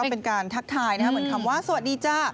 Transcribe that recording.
เป็นการทักทายนะครับเหมือนคำว่าสวัสดีจ้า